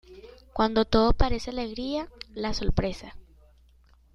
Cuando todo parece alegría, la sorpresa.